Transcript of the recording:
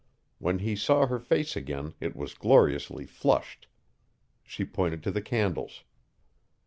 When he saw her face again it was gloriously flushed. She pointed to the candles.